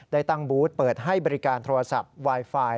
ได้ตั้งบูธเปิดให้บริการโทรศัพท์ไวไฟ